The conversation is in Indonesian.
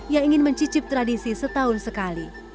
yang ingin mencicip tradisi setahun sekali